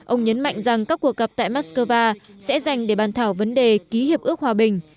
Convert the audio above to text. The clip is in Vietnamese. ông nhấn mạnh rằng các cuộc gặp tại mắc cơ va sẽ dành để bàn thảo vấn đề ký hiệp ước hòa bình